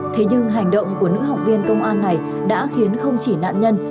thế nhưng hành động của nữ học viên công an này đã khiến không chỉ nạn nhân